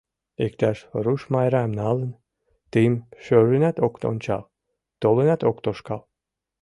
Иктаж руш Майрам налын, тыйым шӧрынат ок ончал, толынат ок тошкал.